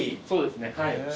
そうですねはい。